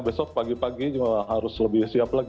besok pagi pagi harus lebih siap lagi